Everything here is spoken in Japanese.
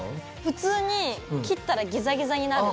普通に切ったらギザギザになる。